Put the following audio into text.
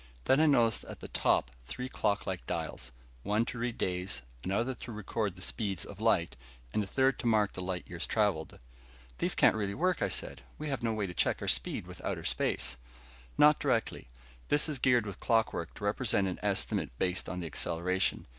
Then I noticed at the top three clock like dials; one to read days, another to record the speeds of light, and the third to mark light years traveled. "These can't really work?" I said. "We have no way to check our speed with outer space." "Not directly. This is geared with clockwork to represent an estimate based on the acceleration.